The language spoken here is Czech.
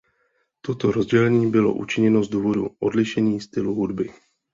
Toto rozdělení bylo učiněno z důvodu odlišení stylu hudby.